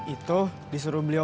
itu disuruh beli obat